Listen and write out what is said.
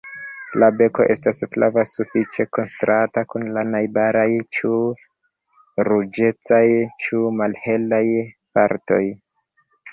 La beko estas flava sufiĉe kontrasta kun la najbaraj ĉu ruĝecaj ĉu malhelaj partoj.